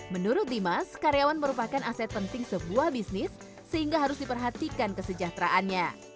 menurut dimas karyawan merupakan aset penting sebuah bisnis sehingga harus diperhatikan kesejahteraannya